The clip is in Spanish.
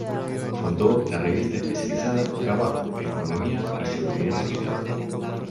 Fundó la revista especializada "Trabajo, Economía y Seguridad Social".